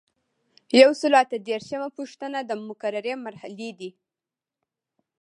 یو سل او اته دیرشمه پوښتنه د مقررې مرحلې دي.